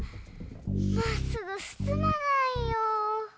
まっすぐすすまないよ。